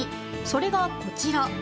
それがこちら。